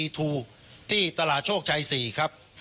ถูกที่ตลาดโชคชัย๔ครับ